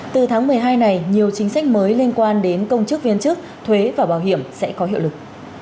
từ tháng một mươi hai này nhiều chính sách mới liên quan đến công chức viên chức thuế và bảo hiểm sẽ có hiệu lực